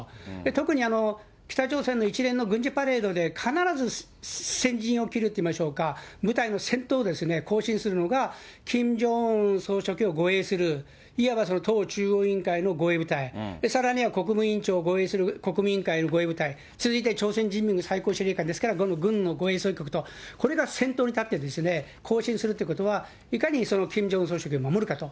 特に北朝鮮の一連の軍事パレードで必ず先陣を切るといいましょうか、部隊の先頭を行進するのが、キム・ジョンウン総書記を護衛するいわば党中央委員会の護衛部隊、さらには国務委員長を護衛する国民委員会の防衛部隊、続いて朝鮮人民の最高司令官ですから、この軍のとこれが先頭に立ってですね、行進するっていうことは、いかにキム・ジョンウン総書記を守るかと。